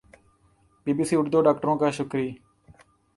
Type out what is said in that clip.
ی B C Urdu اور ڈاکٹروں کا شکری